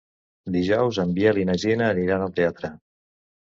Dijous en Biel i na Gina aniran al teatre.